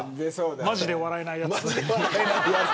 まじで笑えないやつ。